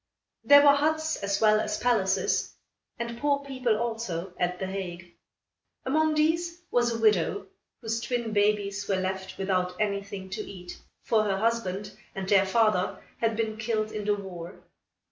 There were huts, as well as palaces, and poor people, also, at The Hague. Among these, was a widow, whose twin babies were left without anything to eat for her husband and their father had been killed in the war.